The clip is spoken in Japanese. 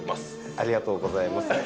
ありがとうございます。